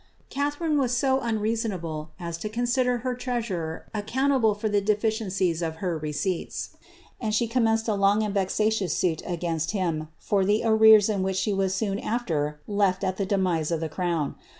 Catharine was so unreasonable as to consider her treasurer account able for the deficiencies of her receipts, and she commenced a long and vexatious suit against him for the arrears in which she was soon after left at the demise of the crown.